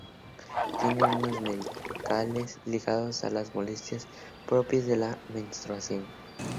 Tiene usos medicinales ligados a las molestias propias de la menstruación.